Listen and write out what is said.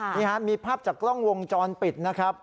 นี่ฮะมีภาพจากกล้องวงจรปิดนะครับ